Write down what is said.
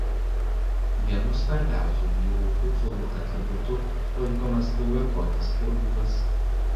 Vienu svarbiausių vyrų huculų atributų laikomas ilgakotis kirvukas.